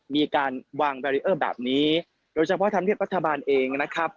มีการวางแบรีเออร์แบบนี้โดยเฉพาะธรรมเนียบรัฐบาลเองนะครับ